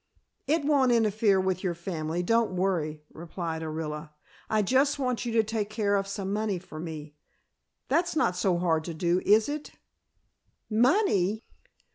"It won't interfere with your family, don't worry," replied Orilla. "I just want you to take care of some money for me. That's not so hard to do, is it?" "Money!"